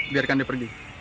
biarkan dia pergi